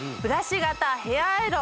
型ヘアアイロン